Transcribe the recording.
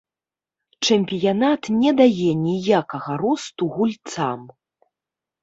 Чэмпіянат не дае ніякага росту гульцам.